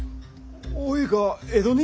おいが江戸に？